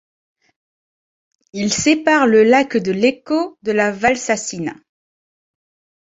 Il sépare le lac de Lecco de la Valsassina.